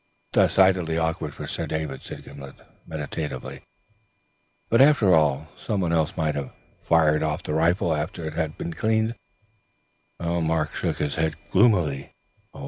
"Decidedly awkward for Sir David," said Gimblet meditatively, "but after all, some one else might have fired off the rifle after he had cleaned it." Mark shook his head gloomily.